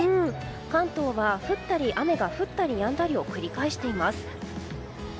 関東は、雨が降ったりやんだりを繰り返しています。